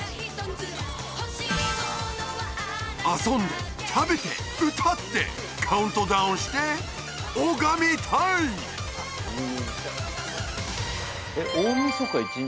遊んで食べて歌ってカウントダウンして拝みたい！